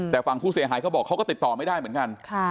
แต่ฝั่งผู้เสียหายเขาบอกเขาก็ติดต่อไม่ได้เหมือนกัน